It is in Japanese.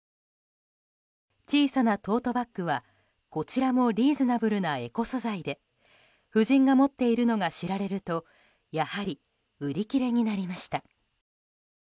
小さなトートバッグはこちらもリーズナブルなエコ素材で夫人が持っているのが知られるとやはり売り切れになりました。